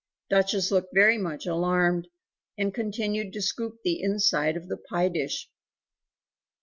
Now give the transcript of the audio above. Duchess looked very much alarmed, and continued to scoop the inside of the pie dish.